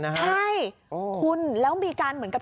ใช่คุณแล้วมีการเหมือนกับ